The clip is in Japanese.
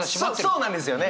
そうなんですよね！